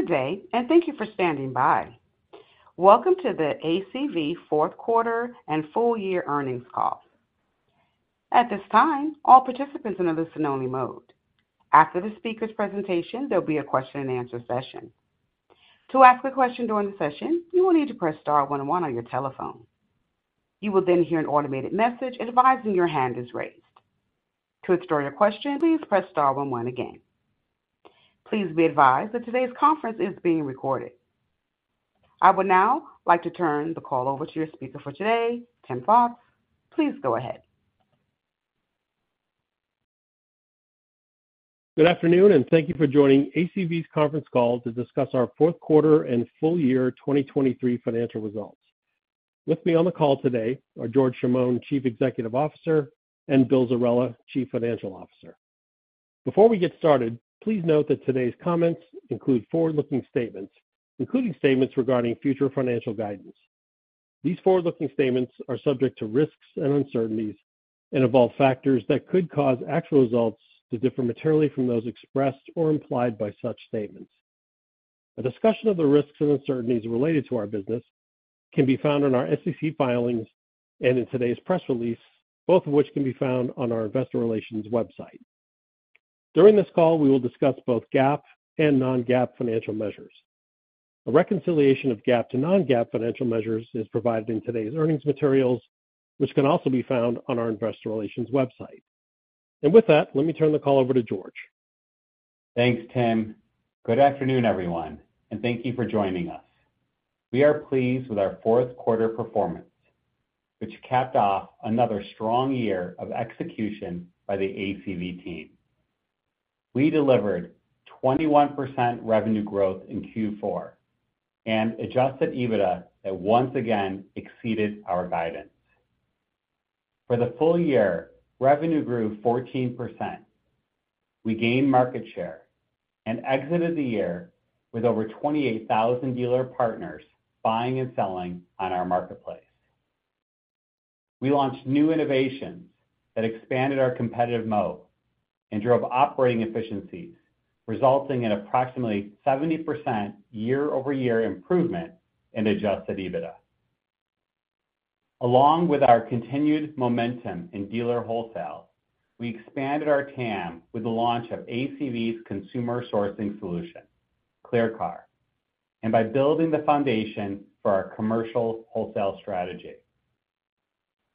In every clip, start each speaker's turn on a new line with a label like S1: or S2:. S1: Good day, and thank you for standing by. Welcome to the ACV fourth quarter and full-year earnings call. At this time, all participants are in a listen-only mode. After the speaker's presentation, there'll be a question-and-answer session. To ask a question during the session, you will need to press star 101 on your telephone. You will then hear an automated message advising your hand is raised. To explore your question, please press star 101 again. Please be advised that today's conference is being recorded. I would now like to turn the call over to your speaker for today, Tim Fox. Please go ahead.
S2: Good afternoon, and thank you for joining ACV's conference call to discuss our fourth quarter and full-year 2023 financial results. With me on the call today are George Chamoun, Chief Executive Officer, and Bill Zerella, Chief Financial Officer. Before we get started, please note that today's comments include forward-looking statements, including statements regarding future financial guidance. These forward-looking statements are subject to risks and uncertainties and involve factors that could cause actual results to differ materially from those expressed or implied by such statements. A discussion of the risks and uncertainties related to our business can be found in our SEC filings and in today's press release, both of which can be found on our Investor Relations website. During this call, we will discuss both GAAP and non-GAAP financial measures. A reconciliation of GAAP to non-GAAP financial measures is provided in today's earnings materials, which can also be found on our Investor Relations website. With that, let me turn the call over to George.
S3: Thanks, Tim. Good afternoon, everyone, and thank you for joining us. We are pleased with our fourth quarter performance, which capped off another strong year of execution by the ACV team. We delivered 21% revenue growth in Q4 and Adjusted EBITDA that once again exceeded our guidance. For the full year, revenue grew 14%. We gained market share and exited the year with over 28,000 dealer partners buying and selling on our marketplace. We launched new innovations that expanded our competitive moat and drove operating efficiencies, resulting in approximately 70% year-over-year improvement in Adjusted EBITDA. Along with our continued momentum in dealer wholesale, we expanded our TAM with the launch of ACV's consumer sourcing solution, ClearCar, and by building the foundation for our commercial wholesale strategy.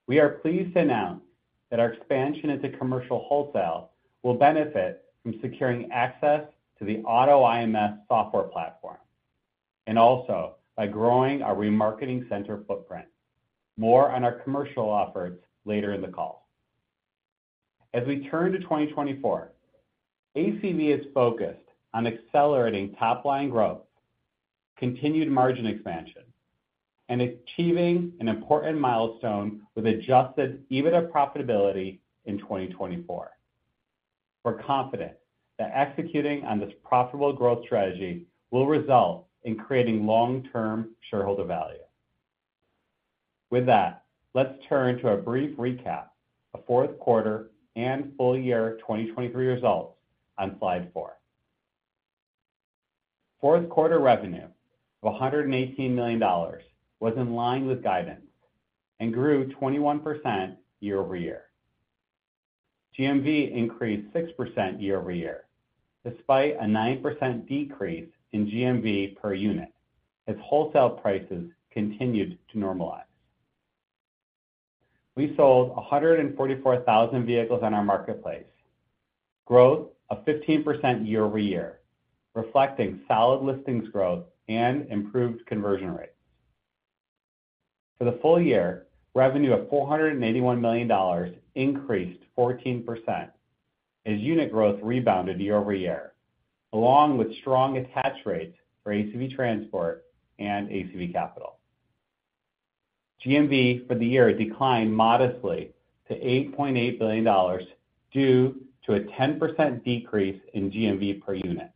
S3: We are pleased to announce that our expansion into commercial wholesale will benefit from securing access to the AutoIMS software platform and also by growing our remarketing center footprint. More on our commercial efforts later in the call. As we turn to 2024, ACV is focused on accelerating top-line growth, continued margin expansion, and achieving an important milestone with Adjusted EBITDA profitability in 2024. We're confident that executing on this profitable growth strategy will result in creating long-term shareholder value. With that, let's turn to a brief recap of fourth quarter and full-year 2023 results on Slide four. Fourth quarter revenue of $118 million was in line with guidance and grew 21% year-over-year. GMV increased 6% year-over-year. Despite a 9% decrease in GMV per unit, as wholesale prices continued to normalize, we sold 144,000 vehicles on our marketplace, growth of 15% year-over-year, reflecting solid listings growth and improved conversion rates. For the full year, revenue of $481 million increased 14% as unit growth rebounded year-over-year, along with strong attach rates for ACV Transport and ACV Capital. GMV for the year declined modestly to $8.8 billion due to a 10% decrease in GMV per unit,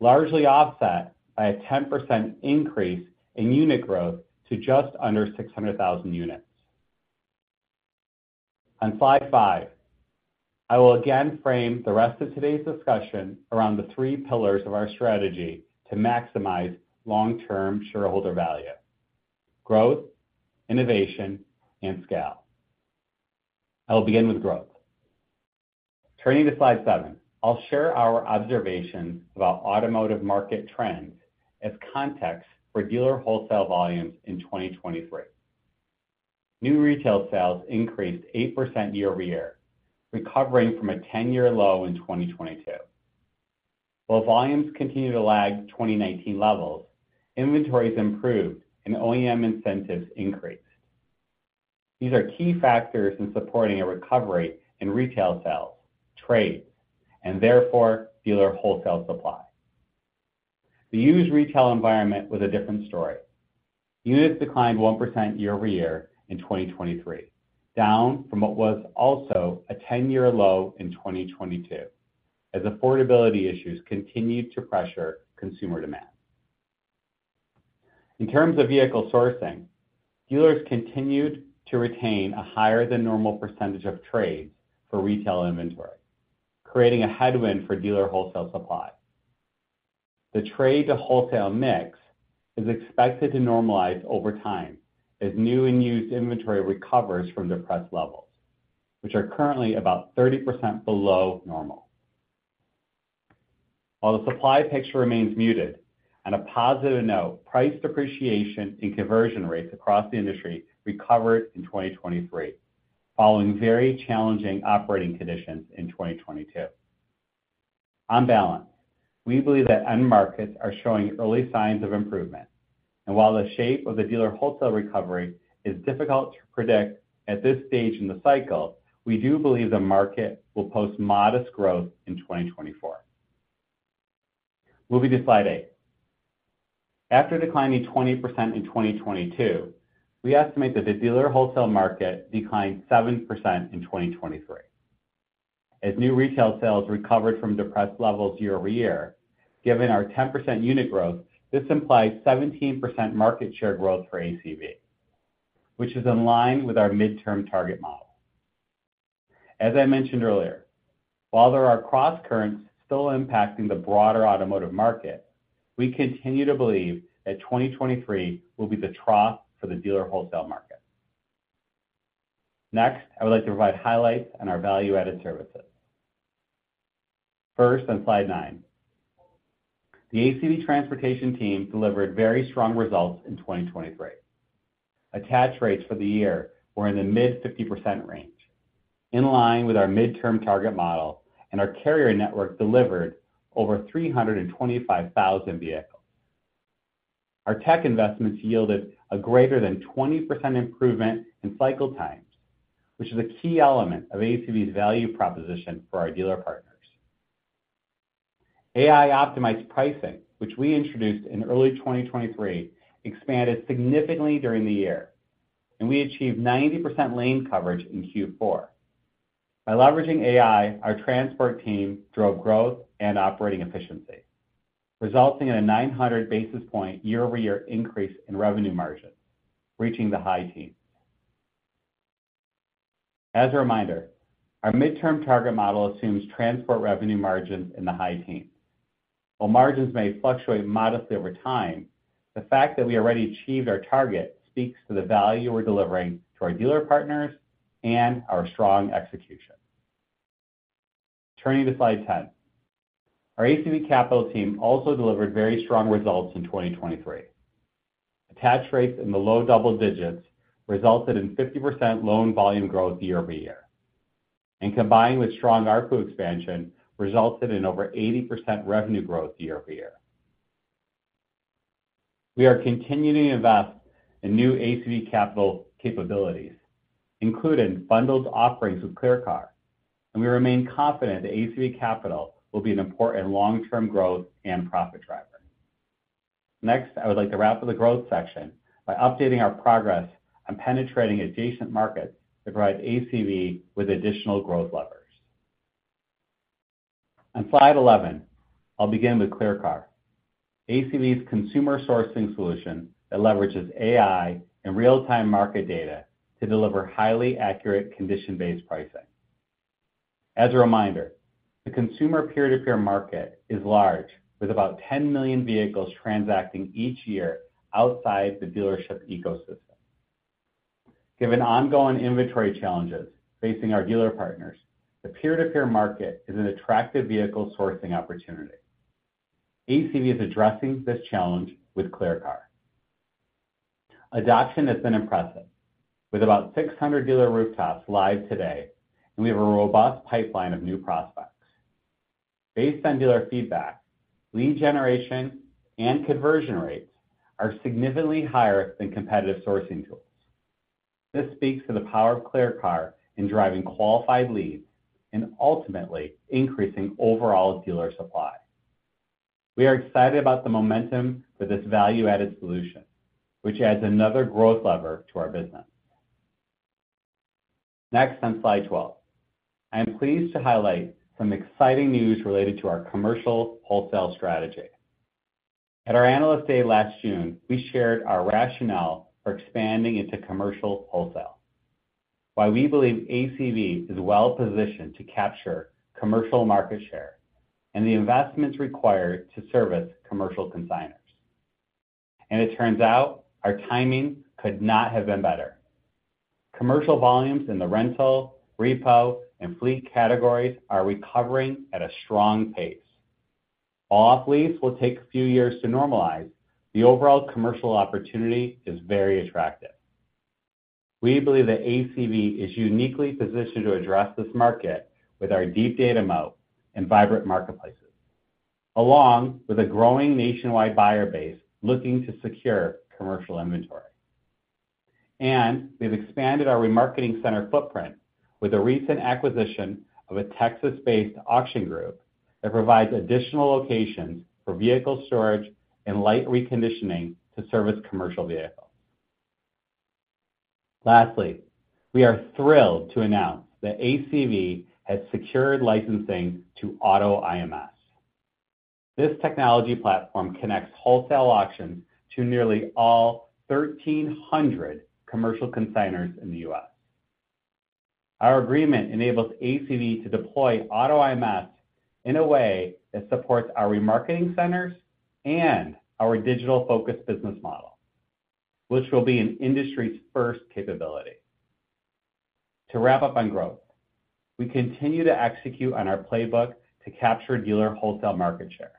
S3: largely offset by a 10% increase in unit growth to just under 600,000 units. On slide five, I will again frame the rest of today's discussion around the three pillars of our strategy to maximize long-term shareholder value: growth, innovation, and scale. I will begin with growth. Turning to slide seven, I'll share our observations about automotive market trends as context for dealer wholesale volumes in 2023. New retail sales increased 8% year-over-year, recovering from a 10-year low in 2022. While volumes continue to lag 2019 levels, inventories improved and OEM incentives increased. These are key factors in supporting a recovery in retail sales, trades, and therefore dealer wholesale supply. The used retail environment was a different story. Units declined 1% year-over-year in 2023, down from what was also a 10-year low in 2022 as affordability issues continued to pressure consumer demand. In terms of vehicle sourcing, dealers continued to retain a higher-than-normal percentage of trades for retail inventory, creating a headwind for dealer wholesale supply. The trade-to-wholesale mix is expected to normalize over time as new and used inventory recovers from depressed levels, which are currently about 30% below normal. While the supply picture remains muted, on a positive note, price depreciation and conversion rates across the industry recovered in 2023 following very challenging operating conditions in 2022. On balance, we believe that end markets are showing early signs of improvement. While the shape of the dealer wholesale recovery is difficult to predict at this stage in the cycle, we do believe the market will post modest growth in 2024. Moving to slide 8. After declining 20% in 2022, we estimate that the dealer wholesale market declined 7% in 2023. As new retail sales recovered from depressed levels year-over-year, given our 10% unit growth, this implies 17% market share growth for ACV, which is in line with our midterm target model. As I mentioned earlier, while there are cross currents still impacting the broader automotive market, we continue to believe that 2023 will be the trough for the dealer wholesale market. Next, I would like to provide highlights on our value-added services. First, on slide nine, the ACV Transportation team delivered very strong results in 2023. Attach rates for the year were in the mid-50% range, in line with our midterm target model, and our carrier network delivered over 325,000 vehicles. Our tech investments yielded a greater than 20% improvement in cycle times, which is a key element of ACV's value proposition for our dealer partners. AI-optimized pricing, which we introduced in early 2023, expanded significantly during the year, and we achieved 90% lane coverage in Q4. By leveraging AI, our transport team drove growth and operating efficiency, resulting in a 900 basis point year-over-year increase in revenue margins, reaching the high teens. As a reminder, our midterm target model assumes transport revenue margins in the high teens. While margins may fluctuate modestly over time, the fact that we already achieved our target speaks to the value we're delivering to our dealer partners and our strong execution. Turning to slide 10, our ACV Capital team also delivered very strong results in 2023. Attach rates in the low double digits resulted in 50% loan volume growth year-over-year. Combined with strong ARPU expansion, resulted in over 80% revenue growth year-over-year. We are continuing to invest in new ACV Capital capabilities, including bundled offerings with ClearCar. We remain confident that ACV Capital will be an important long-term growth and profit driver. Next, I would like to wrap up the growth section by updating our progress on penetrating adjacent markets that provide ACV with additional growth levers. On slide 11, I'll begin with ClearCar, ACV's consumer sourcing solution that leverages AI and real-time market data to deliver highly accurate condition-based pricing. As a reminder, the consumer peer-to-peer market is large, with about 10 million vehicles transacting each year outside the dealership ecosystem. Given ongoing inventory challenges facing our dealer partners, the peer-to-peer market is an attractive vehicle sourcing opportunity. ACV is addressing this challenge with ClearCar. Adoption has been impressive, with about 600 dealer rooftops live today, and we have a robust pipeline of new prospects. Based on dealer feedback, lead generation and conversion rates are significantly higher than competitive sourcing tools. This speaks to the power of ClearCar in driving qualified leads and ultimately increasing overall dealer supply. We are excited about the momentum for this value-added solution, which adds another growth lever to our business. Next, on slide 12, I am pleased to highlight some exciting news related to our commercial wholesale strategy. At our analyst day last June, we shared our rationale for expanding into commercial wholesale, why we believe ACV is well-positioned to capture commercial market share and the investments required to service commercial consignors. It turns out our timing could not have been better. Commercial volumes in the rental, repo, and fleet categories are recovering at a strong pace. While off-lease will take a few years to normalize, the overall commercial opportunity is very attractive. We believe that ACV is uniquely positioned to address this market with our deep data moat and vibrant marketplaces, along with a growing nationwide buyer base looking to secure commercial inventory. We've expanded our remarketing center footprint with a recent acquisition of a Texas-based auction group that provides additional locations for vehicle storage and light reconditioning to service commercial vehicles. Lastly, we are thrilled to announce that ACV has secured licensing to AutoIMS. This technology platform connects wholesale auctions to nearly all 1,300 commercial consignors in the U.S. Our agreement enables ACV to deploy AutoIMS in a way that supports our remarketing centers and our digital-focused business model, which will be an industry's first capability. To wrap up on growth, we continue to execute on our playbook to capture dealer wholesale market share.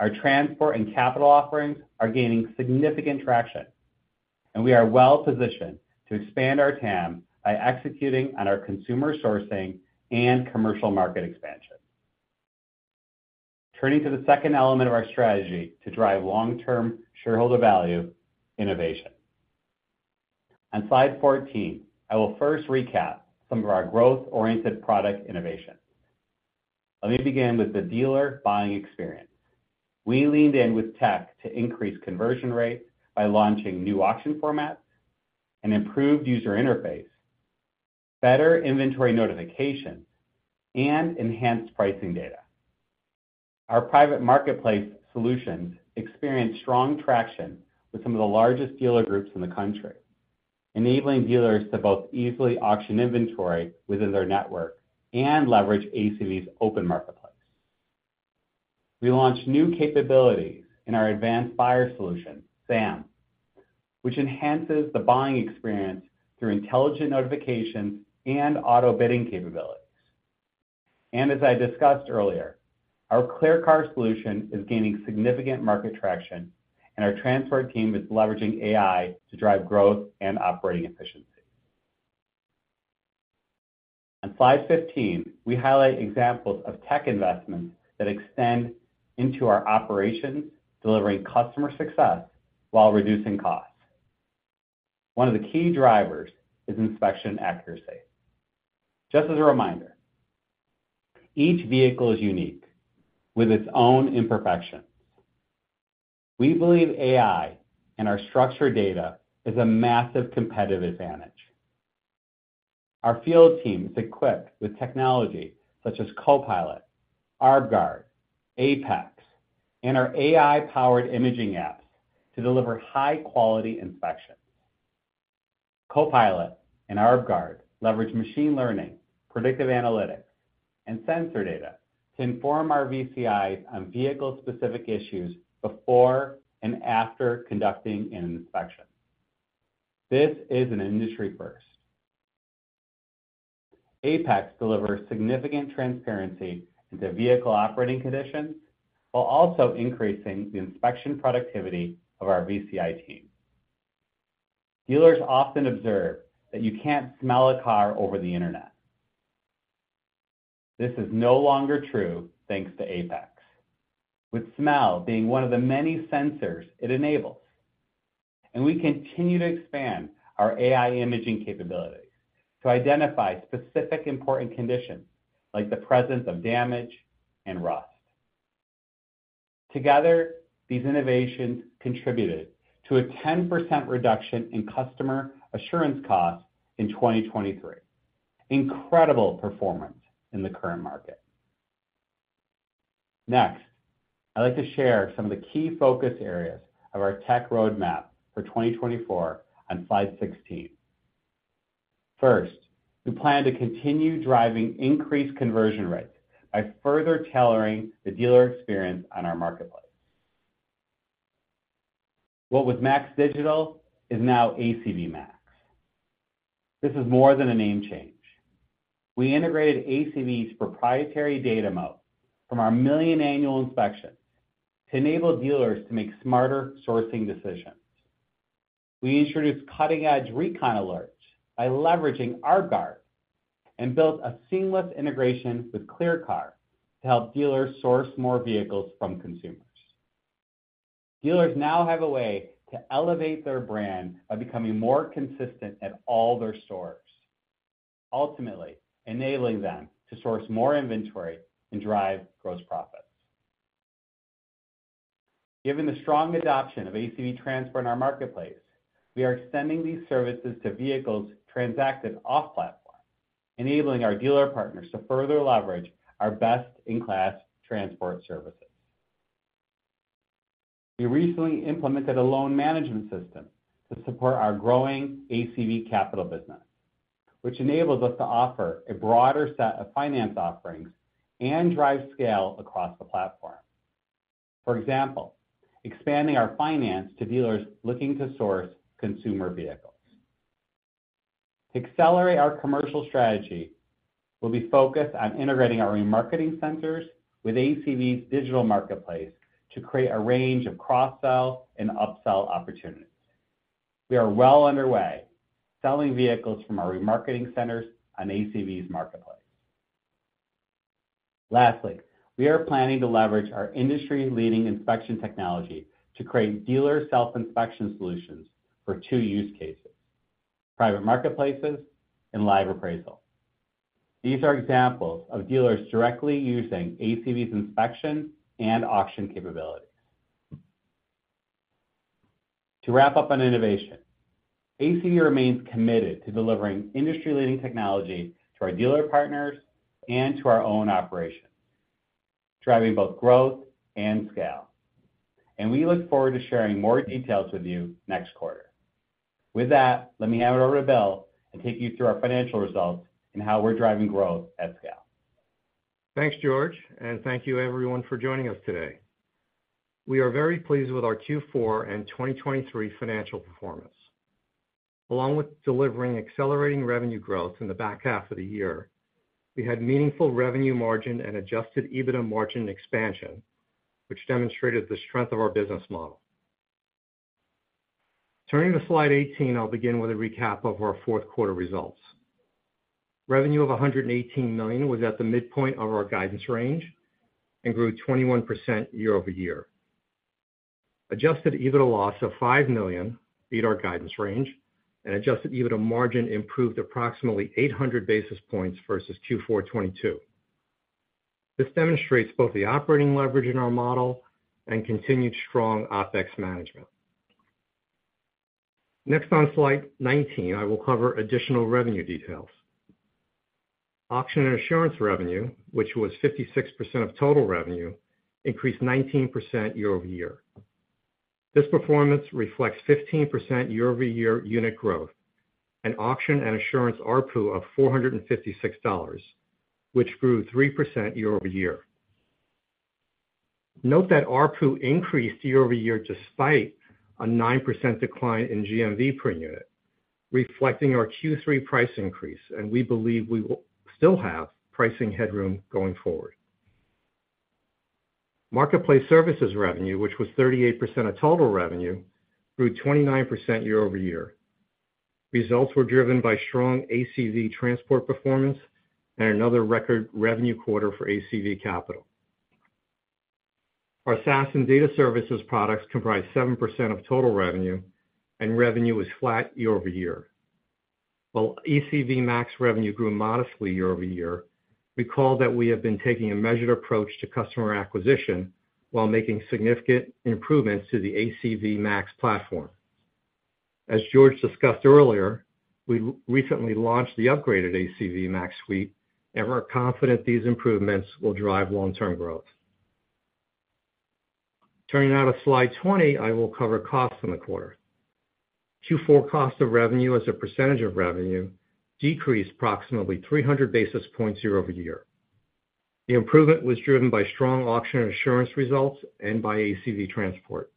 S3: Our transport and capital offerings are gaining significant traction, and we are well-positioned to expand our TAM by executing on our consumer sourcing and commercial market expansion. Turning to the second element of our strategy to drive long-term shareholder value: innovation. On slide 14, I will first recap some of our growth-oriented product innovations. Let me begin with the dealer buying experience. We leaned in with tech to increase conversion rates by launching new auction formats, an improved user interface, better inventory notifications, and enhanced pricing data. Our private marketplace solutions experienced strong traction with some of the largest dealer groups in the country, enabling dealers to both easily auction inventory within their network and leverage ACV's open marketplace. We launched new capabilities in our advanced buyer solution, SAM, which enhances the buying experience through intelligent notifications and auto-bidding capabilities. As I discussed earlier, our ClearCar solution is gaining significant market traction, and our transport team is leveraging AI to drive growth and operating efficiency. On slide 15, we highlight examples of tech investments that extend into our operations, delivering customer success while reducing costs. One of the key drivers is inspection accuracy. Just as a reminder, each vehicle is unique with its own imperfections. We believe AI and our structured data is a massive competitive advantage. Our field team is equipped with technology such as Co-Pilot, ArbGuard, APEX, and our AI-powered imaging apps to deliver high-quality inspections. Co-Pilot and ArbGuard leverage machine learning, predictive analytics, and sensor data to inform our VCIs on vehicle-specific issues before and after conducting an inspection. This is an industry first. APEX delivers significant transparency into vehicle operating conditions while also increasing the inspection productivity of our VCI team. Dealers often observe that you can't smell a car over the internet. This is no longer true thanks to APEX, with smell being one of the many sensors it enables. We continue to expand our AI imaging capabilities to identify specific important conditions like the presence of damage and rust. Together, these innovations contributed to a 10% reduction in customer assurance costs in 2023. Incredible performance in the current market. Next, I'd like to share some of the key focus areas of our tech roadmap for 2024 on slide 16. First, we plan to continue driving increased conversion rates by further tailoring the dealer experience on our marketplace. What was MAX Digital is now ACV MAX. This is more than a name change. We integrated ACV's proprietary data moat from our million annual inspections to enable dealers to make smarter sourcing decisions. We introduced cutting-edge recon alerts by leveraging ArbGuard and built a seamless integration with ClearCar to help dealers source more vehicles from consumers. Dealers now have a way to elevate their brand by becoming more consistent at all their stores, ultimately enabling them to source more inventory and drive gross profits. Given the strong adoption of ACV Transport in our marketplace, we are extending these services to vehicles transacted off-platform, enabling our dealer partners to further leverage our best-in-class transport services. We recently implemented a loan management system to support our growing ACV Capital business, which enables us to offer a broader set of finance offerings and drive scale across the platform. For example, expanding our finance to dealers looking to source consumer vehicles. To accelerate our commercial strategy, we'll be focused on integrating our remarketing centers with ACV's digital marketplace to create a range of cross-sell and upsell opportunities. We are well underway selling vehicles from our remarketing centers on ACV's marketplace. Lastly, we are planning to leverage our industry-leading inspection technology to create dealer self-inspection solutions for two use cases: private marketplaces and live appraisal. These are examples of dealers directly using ACV's inspection and auction capabilities. To wrap up on innovation, ACV remains committed to delivering industry-leading technology to our dealer partners and to our own operations, driving both growth and scale. We look forward to sharing more details with you next quarter. With that, let me hand it over to Bill and take you through our financial results and how we're driving growth at scale.
S2: Thanks, George. And thank you, everyone, for joining us today. We are very pleased with our Q4 and 2023 financial performance. Along with delivering accelerating revenue growth in the back half of the year, we had meaningful revenue margin and adjusted EBITDA margin expansion, which demonstrated the strength of our business model. Turning to slide 18, I'll begin with a recap of our fourth quarter results. Revenue of $118 million was at the midpoint of our guidance range and grew 21% year-over-year. Adjusted EBITDA loss of $5 million beat our guidance range, and adjusted EBITDA margin improved approximately 800 basis points versus Q4 2022. This demonstrates both the operating leverage in our model and continued strong OpEx management. Next, on slide 19, I will cover additional revenue details. Auction and assurance revenue, which was 56% of total revenue, increased 19% year-over-year. This performance reflects 15% year-over-year unit growth and auction and assurance ARPU of $456, which grew 3% year-over-year. Note that ARPU increased year-over-year despite a 9% decline in GMV per unit, reflecting our Q3 price increase. We believe we will still have pricing headroom going forward. Marketplace services revenue, which was 38% of total revenue, grew 29% year-over-year. Results were driven by strong ACV Transport performance and another record revenue quarter for ACV Capital. Our SaaS and data services products comprise 7% of total revenue, and revenue is flat year-over-year. While ACV MAX revenue grew modestly year-over-year, recall that we have been taking a measured approach to customer acquisition while making significant improvements to the ACV MAX platform. As George discussed earlier, we recently launched the upgraded ACV MAX suite and we're confident these improvements will drive long-term growth. Turning out of slide 20, I will cover costs in the quarter. Q4 cost of revenue as a percentage of revenue decreased approximately 300 basis points year-over-year. The improvement was driven by strong auction and assurance results and by ACV Transport.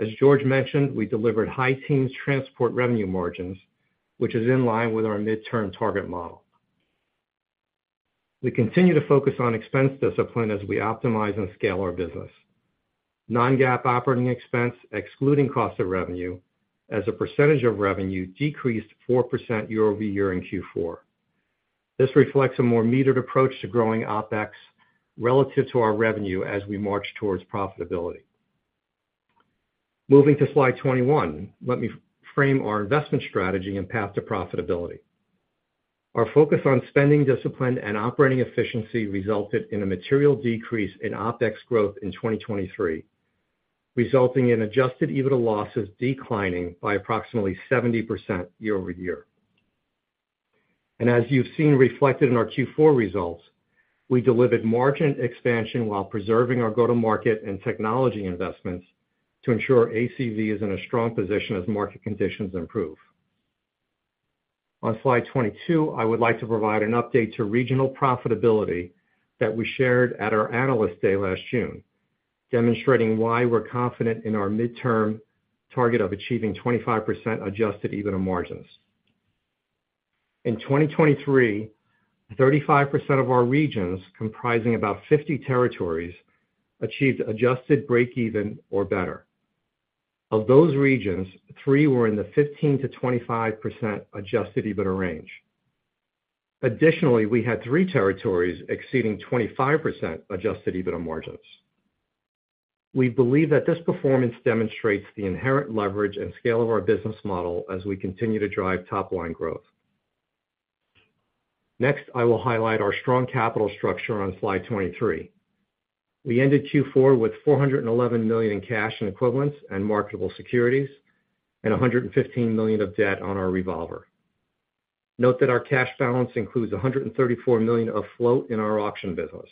S2: As George mentioned, we delivered high-teens transport revenue margins, which is in line with our midterm target model. We continue to focus on expense discipline as we optimize and scale our business. Non-GAAP operating expense, excluding cost of revenue as a percentage of revenue, decreased 4% year-over-year in Q4. This reflects a more metered approach to growing OpEx relative to our revenue as we march towards profitability. Moving to slide 21, let me frame our investment strategy and path to profitability. Our focus on spending discipline and operating efficiency resulted in a material decrease in OpEx growth in 2023, resulting in adjusted EBITDA losses declining by approximately 70% year-over-year. As you've seen reflected in our Q4 results, we delivered margin expansion while preserving our go-to-market and technology investments to ensure ACV is in a strong position as market conditions improve. On slide 22, I would like to provide an update to regional profitability that we shared at our analysts' day last June, demonstrating why we're confident in our midterm target of achieving 25% adjusted EBITDA margins. In 2023, 35% of our regions, comprising about 50 territories, achieved adjusted break-even or better. Of those regions, three were in the 15%-25% adjusted EBITDA range. Additionally, we had three territories exceeding 25% adjusted EBITDA margins. We believe that this performance demonstrates the inherent leverage and scale of our business model as we continue to drive top-line growth. Next, I will highlight our strong capital structure on slide 23. We ended Q4 with $411 million in cash and equivalents and marketable securities and $115 million of debt on our revolver. Note that our cash balance includes $134 million of float in our auction business.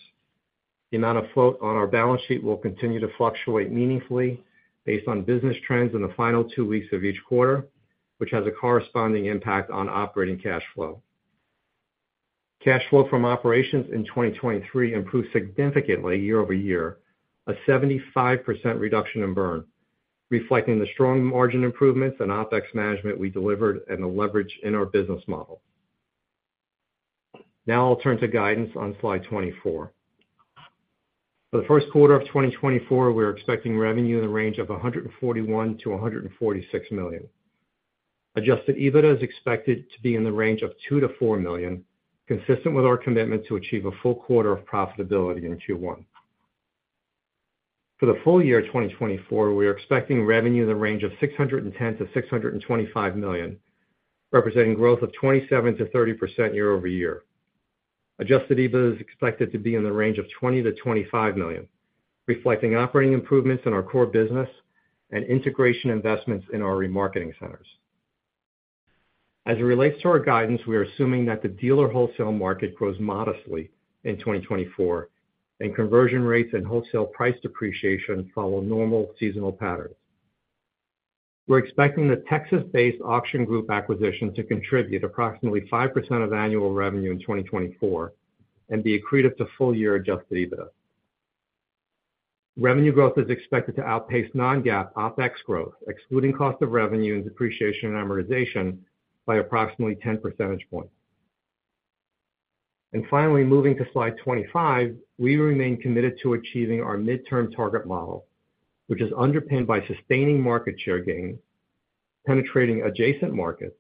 S2: The amount of float on our balance sheet will continue to fluctuate meaningfully based on business trends in the final two weeks of each quarter, which has a corresponding impact on operating cash flow. Cash flow from operations in 2023 improved significantly year-over-year, a 75% reduction in burn, reflecting the strong margin improvements and OpEx management we delivered and the leverage in our business model. Now I'll turn to guidance on slide 24. For the first quarter of 2024, we're expecting revenue in the range of $141 million-$146 million. Adjusted EBITDA is expected to be in the range of $2 million-$4 million, consistent with our commitment to achieve a full quarter of profitability in Q1. For the full year 2024, we're expecting revenue in the range of $610 million-$625 million, representing growth of 27%-30% year-over-year. Adjusted EBITDA is expected to be in the range of $20 million-$25 million, reflecting operating improvements in our core business and integration investments in our remarketing centers. As it relates to our guidance, we are assuming that the dealer wholesale market grows modestly in 2024 and conversion rates and wholesale price depreciation follow normal seasonal patterns. We're expecting the Texas-based auction group acquisition to contribute approximately 5% of annual revenue in 2024 and be accretive to full-year adjusted EBITDA. Revenue growth is expected to outpace Non-GAAP OpEx growth, excluding cost of revenue and depreciation and amortization, by approximately 10 percentage points. And finally, moving to slide 25, we remain committed to achieving our midterm target model, which is underpinned by sustaining market share gains, penetrating adjacent markets,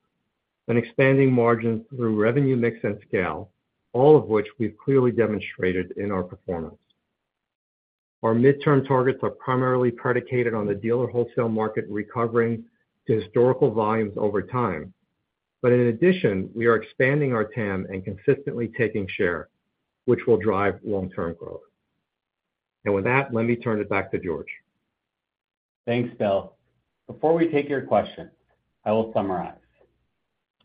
S2: and expanding margins through revenue mix and scale, all of which we've clearly demonstrated in our performance. Our midterm targets are primarily predicated on the dealer wholesale market recovering to historical volumes over time. But in addition, we are expanding our TAM and consistently taking share, which will drive long-term growth. And with that, let me turn it back to George.
S3: Thanks, Bill. Before we take your questions, I will summarize.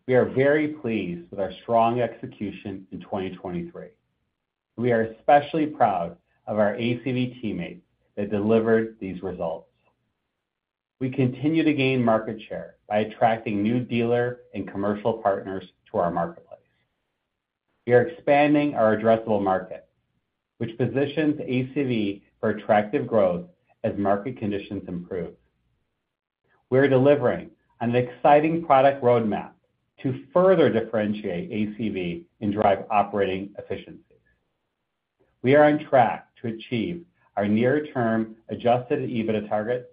S3: We are very pleased with our strong execution in 2023. We are especially proud of our ACV teammates that delivered these results. We continue to gain market share by attracting new dealer and commercial partners to our marketplace. We are expanding our addressable market, which positions ACV for attractive growth as market conditions improve. We are delivering on an exciting product roadmap to further differentiate ACV and drive operating efficiencies. We are on track to achieve our near-term Adjusted EBITDA targets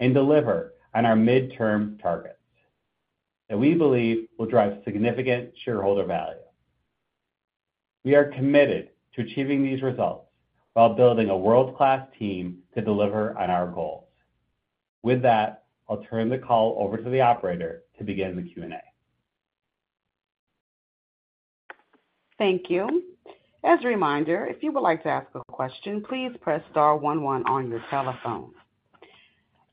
S3: and deliver on our midterm targets that we believe will drive significant shareholder value. We are committed to achieving these results while building a world-class team to deliver on our goals. With that, I'll turn the call over to the operator to begin the Q&A.
S1: Thank you. As a reminder, if you would like to ask a question, please press star 11 on your telephone.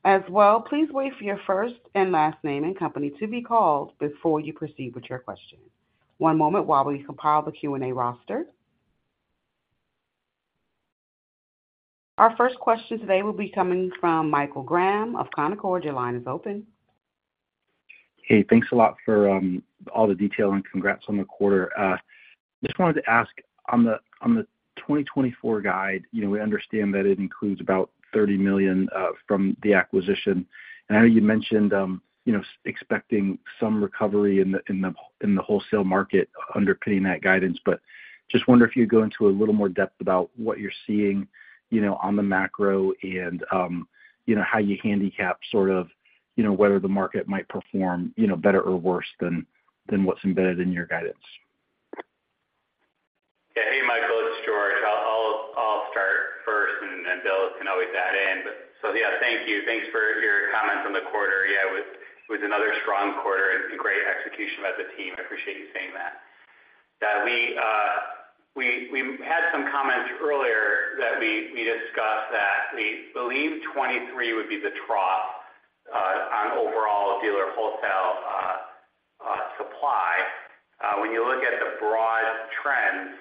S1: As well, please wait for your first and last name and company to be called before you proceed with your question. One moment while we compile the Q&A roster. Our first question today will be coming from Michael Graham of Canaccord. Your line is open.
S4: Hey, thanks a lot for all the detail and congrats on the quarter. I just wanted to ask, on the 2024 guide, we understand that it includes about $30 million from the acquisition. And I know you mentioned expecting some recovery in the wholesale market underpinning that guidance. But just wonder if you could go into a little more depth about what you're seeing on the macro and how you handicap sort of whether the market might perform better or worse than what's embedded in your guidance?
S3: Yeah. Hey, Michael. It's George. I'll start first, and then Bill can always add in. But so yeah, thank you. Thanks for your comments on the quarter. Yeah, it was another strong quarter and great execution by the team. I appreciate you saying that. We had some comments earlier that we discussed that we believe 2023 would be the trough on overall dealer wholesale supply. When you look at the broad trends,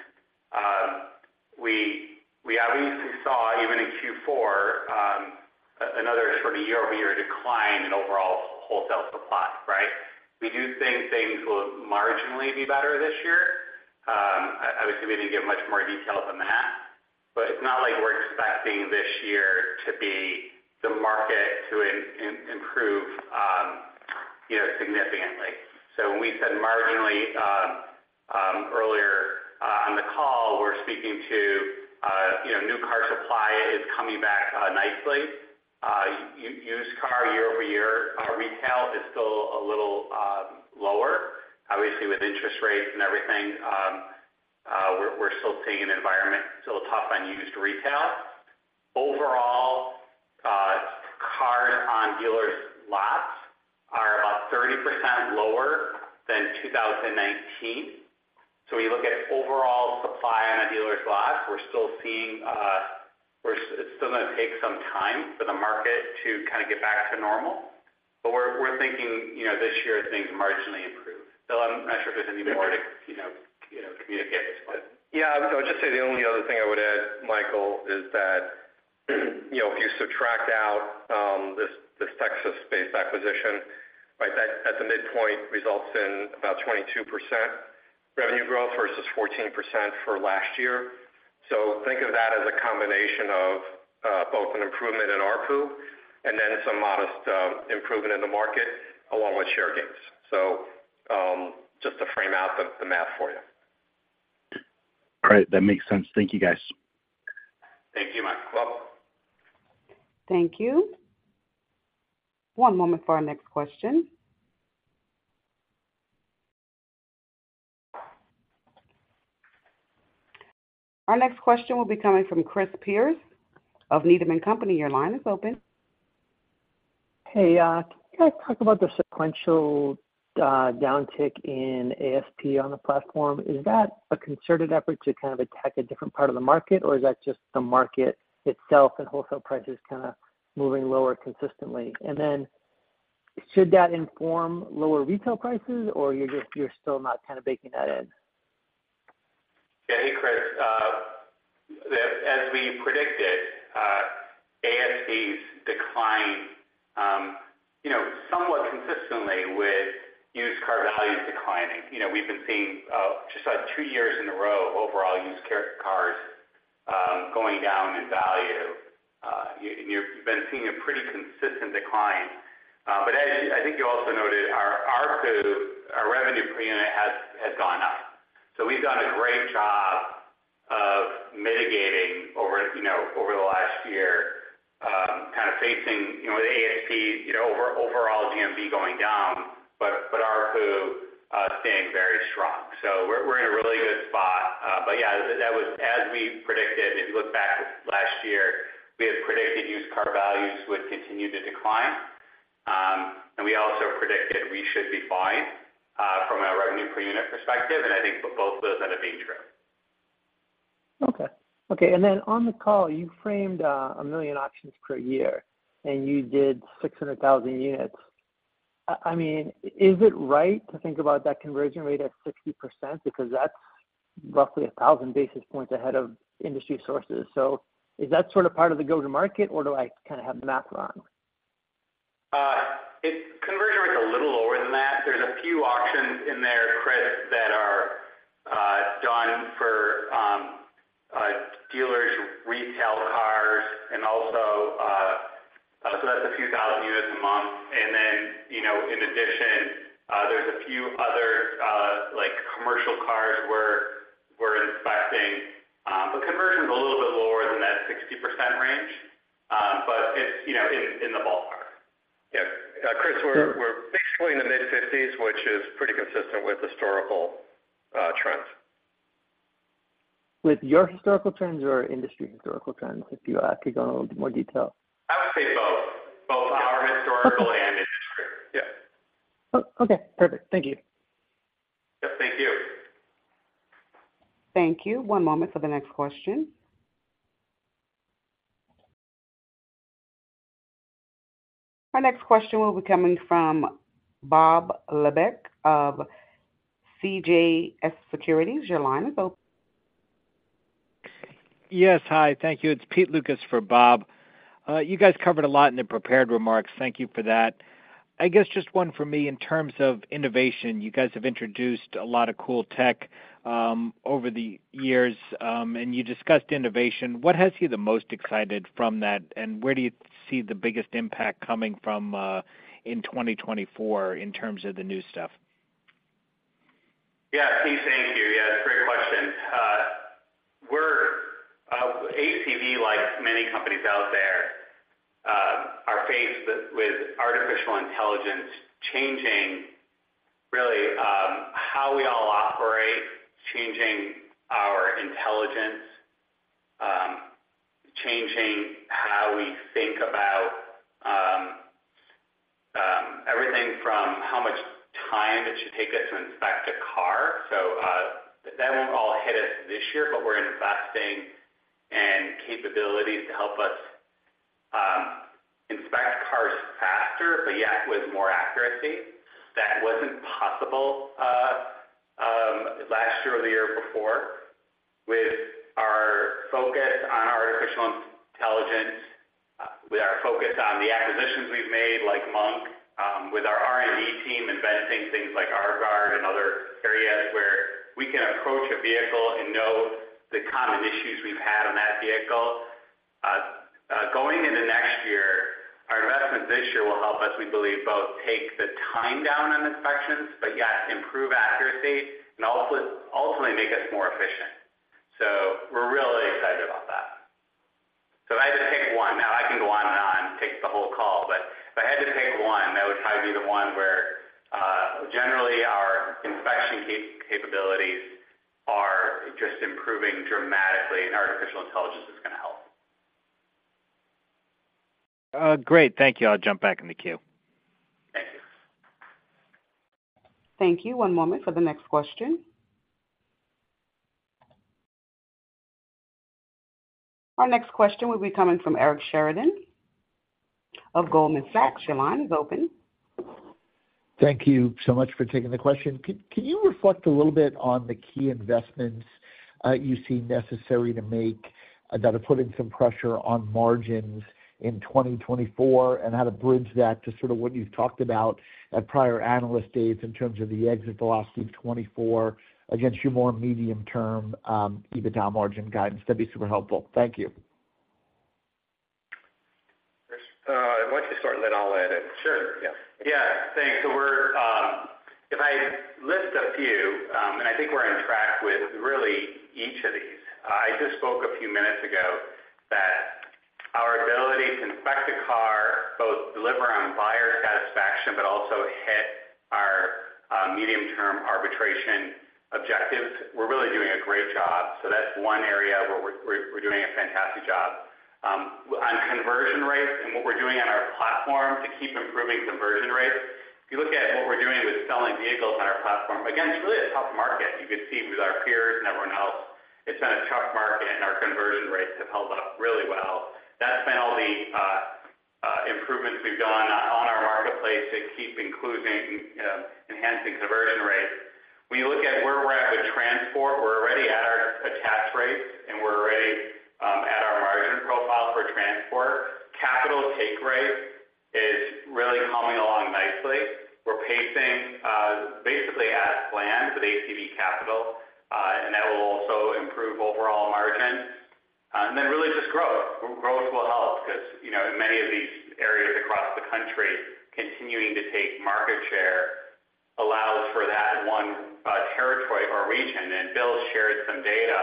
S3: we obviously saw, even in Q4, another sort of year-over-year decline in overall wholesale supply, right? We do think things will marginally be better this year. Obviously, we didn't give much more detail than that. But it's not like we're expecting this year to be the market to improve significantly. So when we said marginally earlier on the call, we're speaking to new car supply is coming back nicely. Used car year-over-year retail is still a little lower. Obviously, with interest rates and everything, we're still seeing an environment still tough on used retail. Overall, cars on dealers' lots are about 30% lower than 2019. So when you look at overall supply on our dealers' lots, we're still seeing it's still going to take some time for the market to kind of get back to normal. But we're thinking this year, things marginally improve. Bill, I'm not sure if there's any more to communicate at this point.
S5: Yeah. So I'll just say the only other thing I would add, Michael, is that if you subtract out this Texas-based acquisition, right, that's a midpoint results in about 22% revenue growth versus 14% for last year. So think of that as a combination of both an improvement in ARPU and then some modest improvement in the market along with share gains. So just to frame out the math for you.
S4: Great. That makes sense. Thank you, guys.
S3: Thank you, Michael.
S1: Thank you. One moment for our next question. Our next question will be coming from Chris Pierce of Needham & Company. Your line is open.
S6: Hey. Can you guys talk about the sequential downtick in ASP on the platform? Is that a concerted effort to kind of attack a different part of the market, or is that just the market itself and wholesale prices kind of moving lower consistently? And then should that inform lower retail prices, or you're still not kind of baking that in?
S3: Yeah. Hey, Chris. As we predicted, ASPs decline somewhat consistently with used car values declining. We've been seeing just about two years in a row overall used cars going down in value. And you've been seeing a pretty consistent decline. But as I think you also noted, our revenue per unit has gone up. So we've done a great job of mitigating over the last year, kind of facing with ASP, overall GMV going down, but ARPU staying very strong. So we're in a really good spot. But yeah, that was as we predicted. If you look back last year, we had predicted used car values would continue to decline. And we also predicted we should be fine from a revenue per unit perspective. And I think both of those end up being true.
S6: Okay. Okay. And then on the call, you framed one million auctions per year, and you did 600,000 units. I mean, is it right to think about that conversion rate at 60%? Because that's roughly 1,000 basis points ahead of industry sources. So is that sort of part of the go-to-market, or do I kind of have the math wrong?
S3: Conversion rate's a little lower than that. There's a few auctions in there, Chris, that are done for dealers' retail cars. And also so that's a few thousand units a month. And then in addition, there's a few other commercial cars we're inspecting. But conversion's a little bit lower than that 60% range, but it's in the ballpark.
S5: Yeah. Chris, we're basically in the mid-50s, which is pretty consistent with historical trends.
S6: With your historical trends or industry historical trends, if you could go into a little bit more detail?
S3: I would say both, both our historical and industry. Yeah.
S6: Okay. Perfect. Thank you.
S5: Yep. Thank you.
S1: Thank you. One moment for the next question. Our next question will be coming from Bob Labick of CJS Securities. Your line is open.
S7: Yes. Hi. Thank you. It's Pete Lukas for Bob. You guys covered a lot in the prepared remarks. Thank you for that. I guess just one for me. In terms of innovation, you guys have introduced a lot of cool tech over the years. You discussed innovation. What has you the most excited from that, and where do you see the biggest impact coming from in 2024 in terms of the new stuff?
S3: Yeah. Pete, thank you. Yeah. It's a great question. ACV, like many companies out there, are faced with artificial intelligence changing really how we all operate, changing our intelligence, changing how we think about everything from how much time it should take us to inspect a car. So that won't all hit us this year, but we're investing in capabilities to help us inspect cars faster, but yet with more accuracy that wasn't possible last year or the year before. With our focus on artificial intelligence, with our focus on the acquisitions we've made like Monk, with our R&D team inventing things like ArbGuard and other areas where we can approach a vehicle and know the common issues we've had on that vehicle. Going into next year, our investments this year will help us, we believe, both take the time down on inspections, but yet improve accuracy and ultimately make us more efficient. So we're really excited about that. So if I had to pick one now, I can go on and on, take the whole call. But if I had to pick one, that would probably be the one where generally, our inspection capabilities are just improving dramatically, and artificial intelligence is going to help.
S7: Great. Thank you. I'll jump back in the queue.
S3: Thank you.
S1: Thank you. One moment for the next question. Our next question will be coming from Eric Sheridan of Goldman Sachs. Your line is open.
S8: Thank you so much for taking the question. Can you reflect a little bit on the key investments you see necessary to make that are putting some pressure on margins in 2024 and how to bridge that to sort of what you've talked about at prior analyst days in terms of the exit velocity of 2024 against your more medium-term EBITDA margin guidance? That'd be super helpful. Thank you.
S3: Chris, and once you start, then I'll add in.
S8: Sure. Yeah.
S3: Yeah. Thanks. So if I list a few, and I think we're on track with really each of these. I just spoke a few minutes ago that our ability to inspect a car, both deliver on buyer satisfaction but also hit our medium-term arbitrage objectives, we're really doing a great job. So that's one area where we're doing a fantastic job. On conversion rates and what we're doing on our platform to keep improving conversion rates, if you look at what we're doing with selling vehicles on our platform, again, it's really a tough market. You could see with our peers and everyone else, it's been a tough market, and our conversion rates have held up really well. That's been all the improvements we've done on our marketplace to keep enhancing conversion rates. When you look at where we're at with transport, we're already at our attach rates, and we're already at our margin profile for transport. Capital take rate is really coming along nicely. We're pacing basically as planned with ACV Capital, and that will also improve overall margin. Then really just growth. Growth will help because in many of these areas across the country, continuing to take market share allows for that one territory or region. Bill shared some data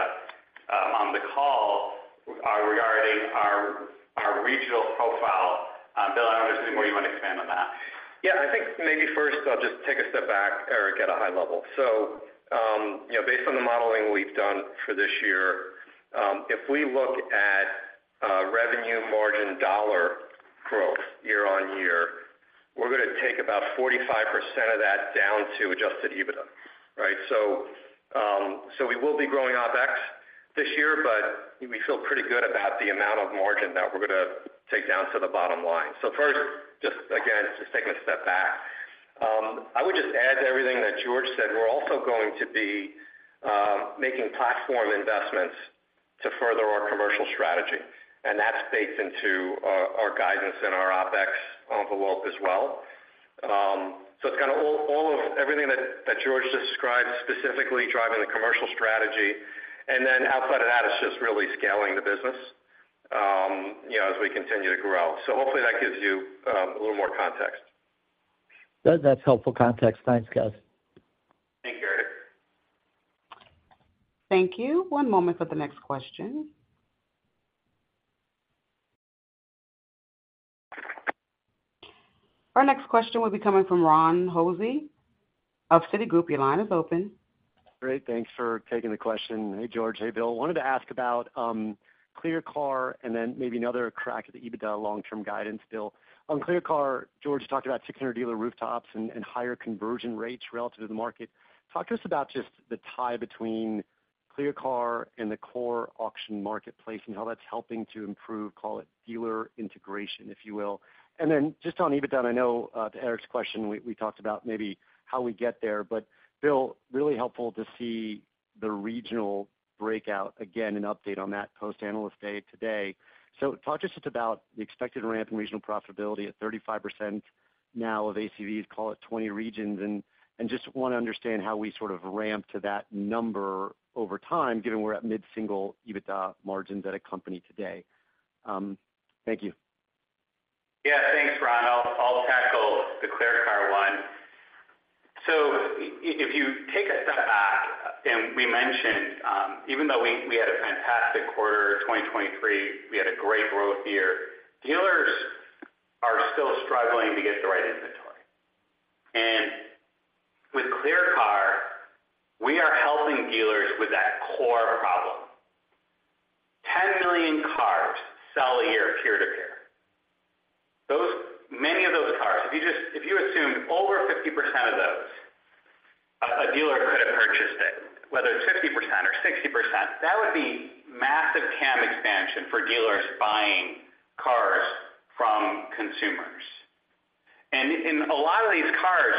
S3: on the call regarding our regional profile. Bill, I don't know if there's any more you want to expand on that.
S5: Yeah. I think maybe first, I'll just take a step back, Eric, at a high level. So based on the modeling we've done for this year, if we look at revenue margin dollar growth year-over-year, we're going to take about 45% of that down to Adjusted EBITDA, right? So we will be growing OpEx this year, but we feel pretty good about the amount of margin that we're going to take down to the bottom line. So first, again, just taking a step back, I would just add to everything that George said, we're also going to be making platform investments to further our commercial strategy. And that's baked into our guidance and our OpEx envelope as well. So it's kind of everything that George just described, specifically driving the commercial strategy. And then outside of that, it's just really scaling the business as we continue to grow. Hopefully, that gives you a little more context.
S8: That's helpful context. Thanks, guys.
S3: Thanks, Eric.
S1: Thank you. One moment for the next question. Our next question will be coming from Ron Josey of Citigroup. Your line is open.
S9: Great. Thanks for taking the question. Hey, George. Hey, Bill. Wanted to ask about ClearCar and then maybe another crack at the EBITDA long-term guidance, Bill. On ClearCar, George, you talked about 600-dealer rooftops and higher conversion rates relative to the market. Talk to us about just the tie between ClearCar and the core auction marketplace and how that's helping to improve, call it, dealer integration, if you will. And then just on EBITDA, I know to Eric's question, we talked about maybe how we get there. But Bill, really helpful to see the regional breakout again and update on that post-analyst day today. So talk to us just about the expected ramp in regional profitability at 35% now of ACVs, call it 20 regions. And just want to understand how we sort of ramp to that number over time, given we're at mid-single EBITDA margins at a company today. Thank you.
S3: Yeah. Thanks, Ron. I'll tackle the ClearCar one. So if you take a step back, and we mentioned even though we had a fantastic quarter 2023, we had a great growth year, dealers are still struggling to get the right inventory. And with ClearCar, we are helping dealers with that core problem. 10 million cars sell a year peer-to-peer. Many of those cars, if you assumed over 50% of those, a dealer could have purchased it, whether it's 50% or 60%, that would be massive TAM expansion for dealers buying cars from consumers. And a lot of these cars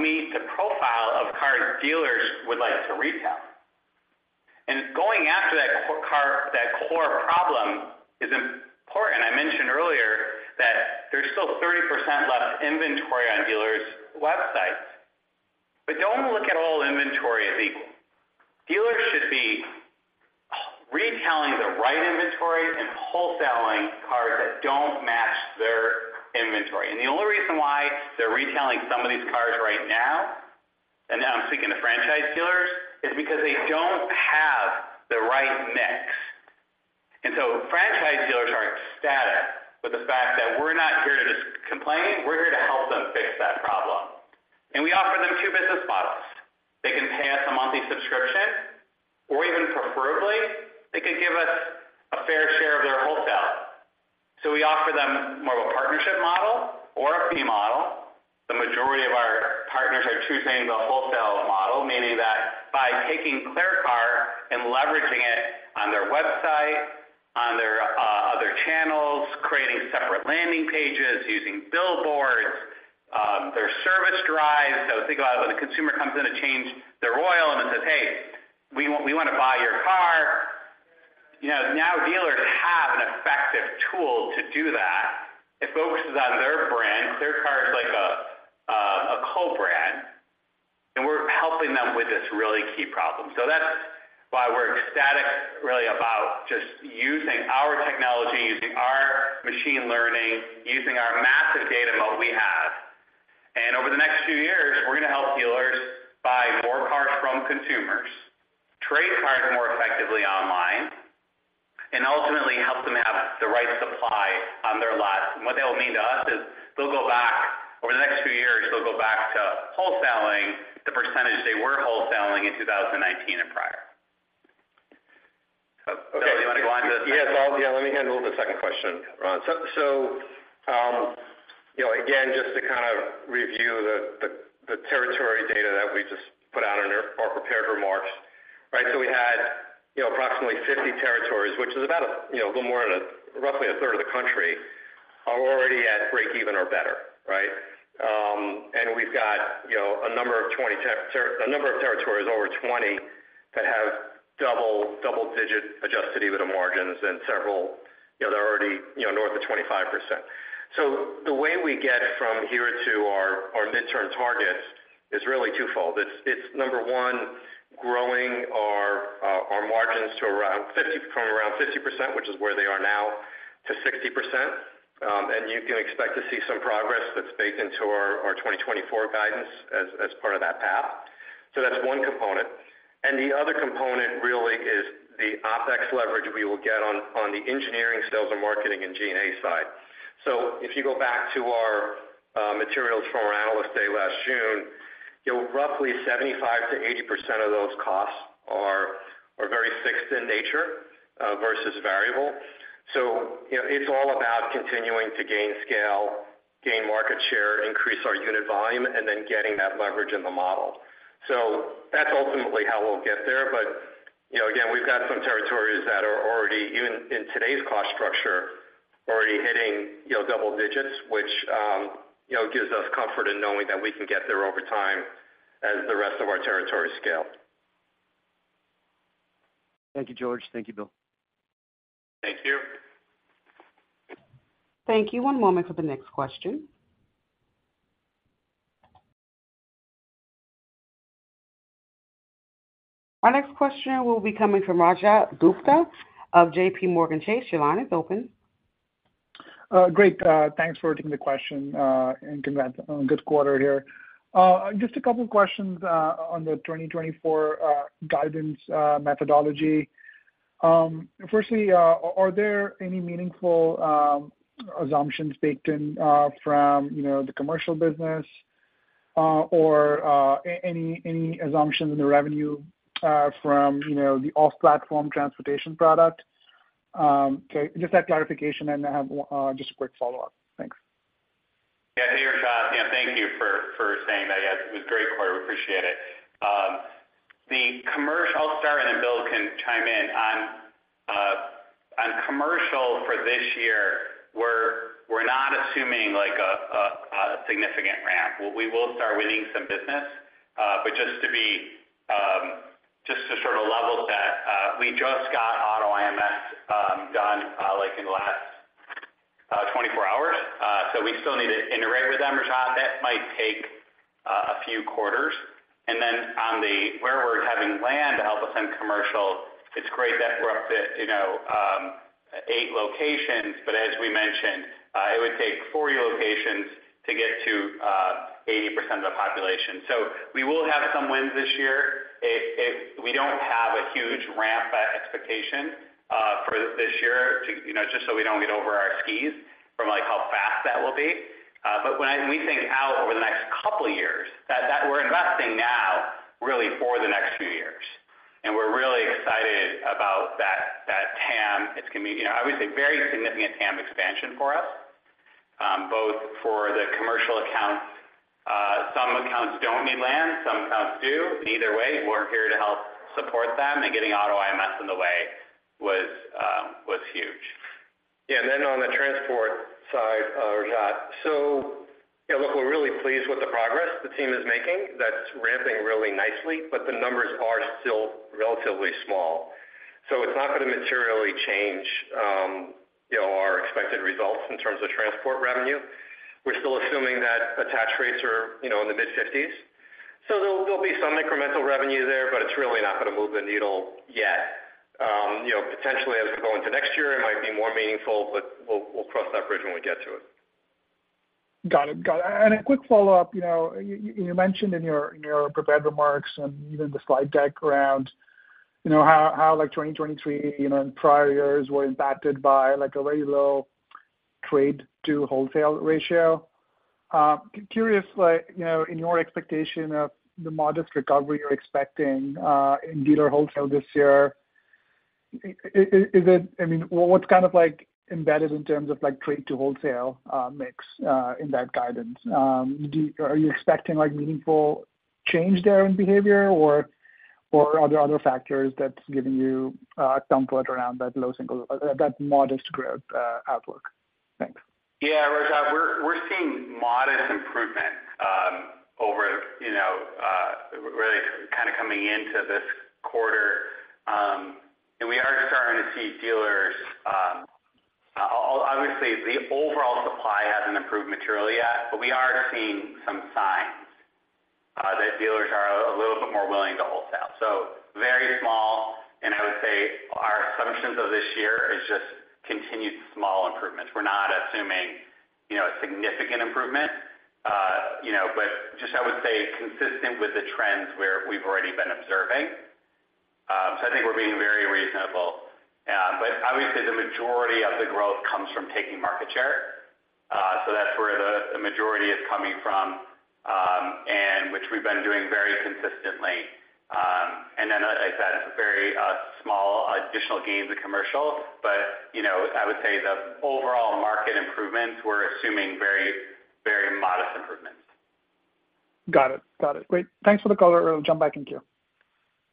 S3: meet the profile of cars dealers would like to retail. And going after that core problem is important. I mentioned earlier that there's still 30% left inventory on dealers' websites. But don't look at all inventory as equal. Dealers should be retailing the right inventory and wholesaling cars that don't match their inventory. The only reason why they're retailing some of these cars right now, and I'm speaking to franchise dealers, is because they don't have the right mix. So franchise dealers are ecstatic with the fact that we're not here to just complain. We're here to help them fix that problem. We offer them two business models. They can pay us a monthly subscription, or even preferably, they could give us a fair share of their wholesale. So we offer them more of a partnership model or a fee model. The majority of our partners are choosing the wholesale model, meaning that by taking ClearCar and leveraging it on their website, on their other channels, creating separate landing pages, using billboards. Their service drives, so think about it when a consumer comes in to change their oil and it says, "Hey, we want to buy your car." Now, dealers have an effective tool to do that. It focuses on their brand. ClearCar is like a co-brand, and we're helping them with this really key problem. So that's why we're ecstatic, really, about just using our technology, using our machine learning, using our massive data moat we have. And over the next few years, we're going to help dealers buy more cars from consumers, trade cars more effectively online, and ultimately help them have the right supply on their lots. What that will mean to us is they'll go back over the next few years, they'll go back to wholesaling the percentage they were wholesaling in 2019 and prior. Bill, do you want to go on to this?
S5: Yes. Yeah. Let me handle the second question, Ron. So again, just to kind of review the territory data that we just put out in our prepared remarks, right? So we had approximately 50 territories, which is about a little more than roughly a third of the country, are already at break-even or better, right? And we've got a number of territories, over 20, that have double-digit Adjusted EBITDA margins and several that are already north of 25%. So the way we get from here to our mid-term targets is really twofold. It's, number one, growing our margins from around 50%, which is where they are now, to 60%. And you can expect to see some progress that's baked into our 2024 guidance as part of that path. So that's one component. The other component really is the OpEx leverage we will get on the engineering, sales, and marketing and G&A side. If you go back to our materials from our Analyst Day last June, roughly 75%-80% of those costs are very fixed in nature versus variable. It's all about continuing to gain scale, gain market share, increase our unit volume, and then getting that leverage in the model. That's ultimately how we'll get there. Again, we've got some territories that are already, even in today's cost structure, already hitting double digits, which gives us comfort in knowing that we can get there over time as the rest of our territory scale.
S9: Thank you, George. Thank you, Bill.
S3: Thank you.
S1: Thank you. One moment for the next question. Our next question will be coming from Rajat Gupta of JPMorgan Chase. Your line is open.
S10: Great. Thanks for taking the question and congrats. Good quarter here. Just a couple of questions on the 2024 guidance methodology. Firstly, are there any meaningful assumptions baked in from the commercial business or any assumptions in the revenue from the off-platform transportation product? So just that clarification, and I have just a quick follow-up. Thanks.
S3: Yeah. Hey, Rajat. Yeah. Thank you for saying that. Yes. It was a great quarter. We appreciate it. I'll start, and then Bill can chime in. On commercial for this year, we're not assuming a significant ramp. We will start winning some business. But just to sort of level set, we just got AutoIMS done in the last 24 hours. So we still need to integrate with them, Rajat. That might take a few quarters. And then where we're having lenders to help us fund commercial, it's great that we're up to eight locations. But as we mentioned, it would take 40 locations to get to 80% of the population. So we will have some wins this year. We don't have a huge ramp expectation for this year, just so we don't get over our skis from how fast that will be. But when we think out over the next couple of years, we're investing now really for the next few years. We're really excited about that TAM. It's going to be, I would say, very significant TAM expansion for us, both for the commercial accounts. Some accounts don't need land. Some accounts do. Either way, we're here to help support them. And getting AutoIMS in the way was huge.
S5: Yeah. Then on the transport side, Rajat, so look, we're really pleased with the progress the team is making. That's ramping really nicely, but the numbers are still relatively small. So it's not going to materially change our expected results in terms of transport revenue. We're still assuming that attach rates are in the mid-50s%. So there'll be some incremental revenue there, but it's really not going to move the needle yet. Potentially, as we go into next year, it might be more meaningful, but we'll cross that bridge when we get to it.
S10: Got it. Got it. And a quick follow-up. You mentioned in your prepared remarks and even the slide deck around how 2023 and prior years were impacted by a very low trade-to-wholesale ratio. Curious, in your expectation of the modest recovery you're expecting in dealer wholesale this year, I mean, what's kind of embedded in terms of trade-to-wholesale mix in that guidance? Are you expecting meaningful change there in behavior, or are there other factors that's giving you comfort around that modest growth outlook? Thanks.
S3: Yeah. Rajat, we're seeing modest improvement really kind of coming into this quarter. And we are starting to see dealers obviously, the overall supply hasn't improved materially yet, but we are seeing some signs that dealers are a little bit more willing to wholesale. So very small. And I would say our assumptions of this year is just continued small improvements. We're not assuming a significant improvement, but just, I would say, consistent with the trends we've already been observing. So I think we're being very reasonable. But obviously, the majority of the growth comes from taking market share. So that's where the majority is coming from, and which we've been doing very consistently. And then, like I said, very small additional gains in commercial. But I would say the overall market improvements, we're assuming very, very modest improvements.
S10: Got it. Got it. Great. Thanks for the call, I'II. Jump back in queue.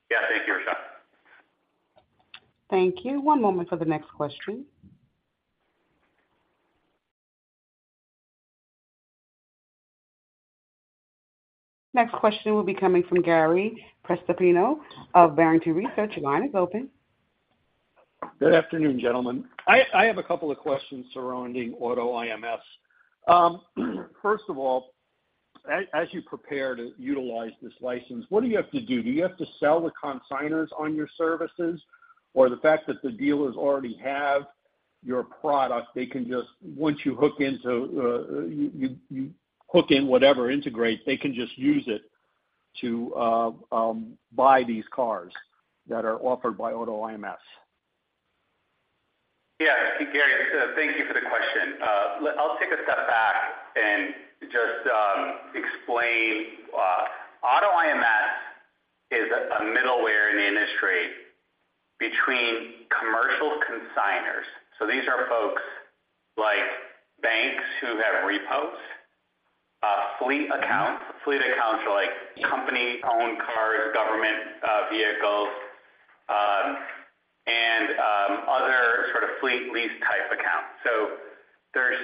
S3: Yeah. Thank you, Rajat.
S1: Thank you. One moment for the next question. Next question will be coming from Gary Prestopino of Barrington Research. Your line is open.
S11: Good afternoon, gentlemen. I have a couple of questions surrounding AutoIMS. First of all, as you prepare to utilize this license, what do you have to do? Do you have to sell the consignors on your services, or the fact that the dealers already have your product, they can just, once you hook in whatever integrate, they can just use it to buy these cars that are offered by AutoIMS?
S3: Yeah. Gary, thank you for the question. I'll take a step back and just explain. AutoIMS is a middleware in the industry between commercial consignors. So these are folks like banks who have repos, fleet accounts. Fleet accounts are company-owned cars, government vehicles, and other sort of fleet-lease type accounts. So there's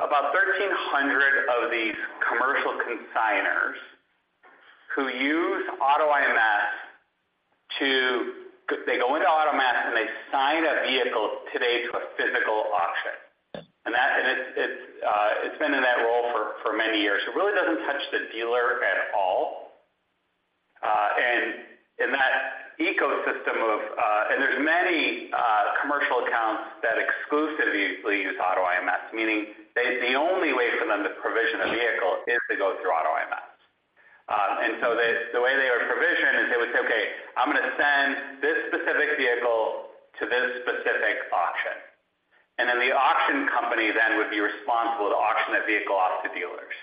S3: about 1,300 of these commercial consignors who use AutoIMS to they go into AutoIMS, and they sign a vehicle today to a physical auction. And it's been in that role for many years. It really doesn't touch the dealer at all. And in that ecosystem of and there's many commercial accounts that exclusively use AutoIMS, meaning the only way for them to provision a vehicle is to go through AutoIMS. And so the way they would provision is they would say, "Okay, I'm going to send this specific vehicle to this specific auction." And then the auction company then would be responsible to auction that vehicle off to dealers.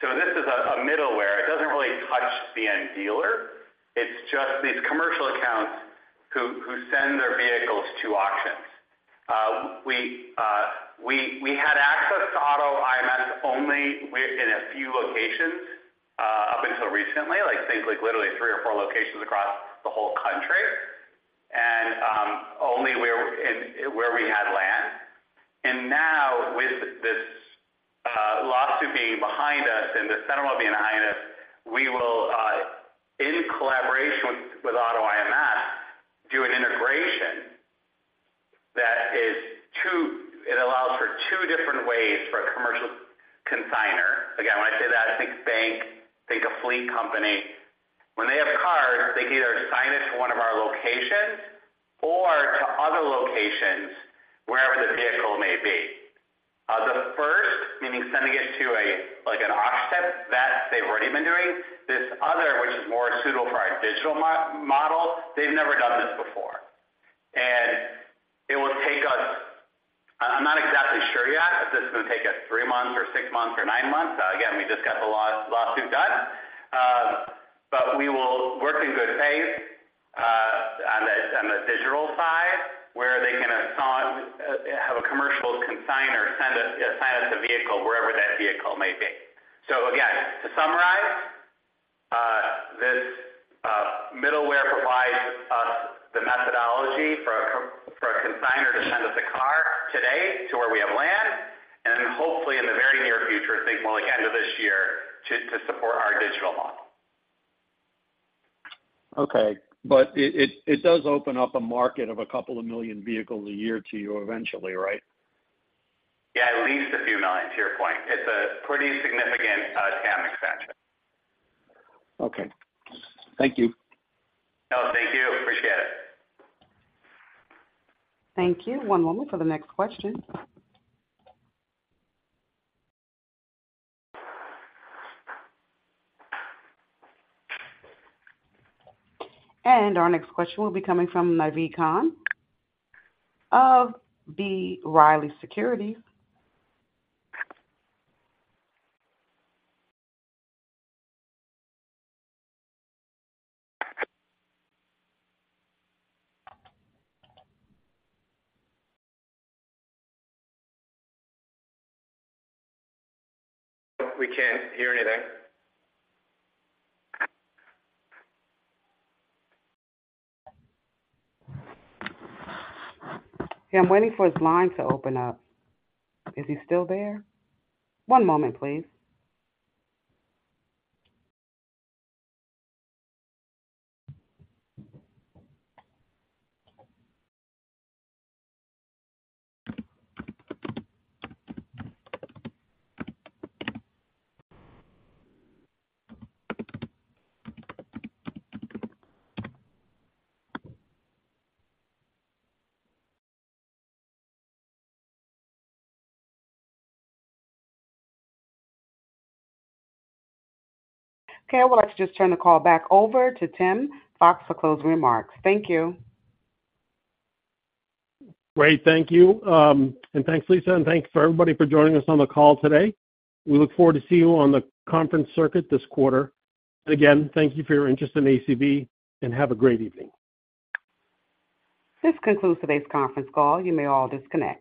S3: So this is a middleware. It doesn't really touch the end dealer. It's just these commercial accounts who send their vehicles to auctions. We had access to AutoIMS only in a few locations up until recently, I think literally three or four locations across the whole country, and only where we had land. And now, with this lawsuit being behind us and the settlement being behind us, we will, in collaboration with AutoIMS, do an integration that allows for two different ways for a commercial consignor. Again, when I say that, think bank, think a fleet company. When they have cars, they can either consign it to one of our locations or to other locations wherever the vehicle may be. The first, meaning sending it to an auction site, that they've already been doing. This other, which is more suitable for our digital model, they've never done this before. And it will take us, I'm not exactly sure yet, if this is going to take us three months or six months or nine months. Again, we just got the lawsuit done. But we will work in good faith on the digital side where they can have a commercial consignor assign us a vehicle wherever that vehicle may be. So again, to summarize, this middleware provides us the methodology for a consignor to send us a car today to where we have land, and then hopefully, in the very near future, think more like end of this year to support our digital model.
S11: Okay. But it does open up a market of a couple of million vehicles a year to you eventually, right?
S3: Yeah. At least $a few million to your point. It's a pretty significant TAM expansion.
S11: Okay. Thank you.
S3: Oh, thank you. Appreciate it.
S1: Thank you. One moment for the next question. Our next question will be coming from Naved Khan of B. Riley Securities.
S3: We can't hear anything.
S1: Hey, I'm waiting for his line to open up. Is he still there? One moment, please. Okay. I would like to just turn the call back over to Tim Fox for closing remarks. Thank you.
S2: Great. Thank you. Thanks, Lisa. Thanks for everybody for joining us on the call today. We look forward to seeing you on the conference circuit this quarter. Again, thank you for your interest in ACV, and have a great evening.
S1: This concludes today's conference call. You may all disconnect.